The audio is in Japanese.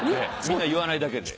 みんな言わないだけで。